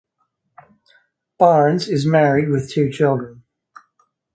Barnes is married with two children.